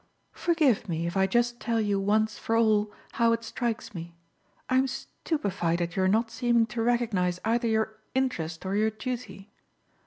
"Forgive me if I just tell you once for all how it strikes me, I'm stupefied at your not seeming to recognise either your interest or your duty.